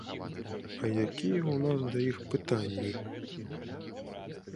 А якія ў нас да іх пытанні?